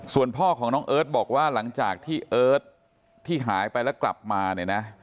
ส่วนพ่อของน้องเอิร์ทบอกว่าหลังจากที่เอิร์ทที่หายไปแล้วกลับมาเนี่ยนะ